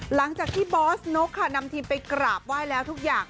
หลังจากที่บอสนกค่ะนำทีมไปกราบไหว้แล้วทุกอย่าง